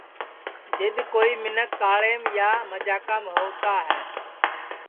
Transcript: جِد کوئی مینکھ کاݪیم یا مجاکام ہووتا ہے